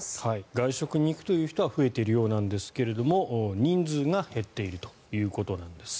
外食に行くという人は増えているようですが人数が減っているということなんです。